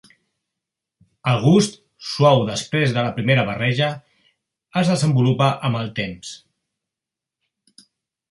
El gust, suau després de la primera barreja, es desenvolupa amb el temps.